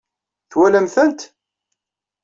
Twalam-tent?